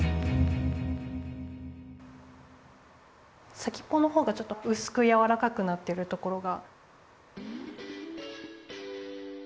先っぽのほうがちょっとうすくやわらかくなってるところが。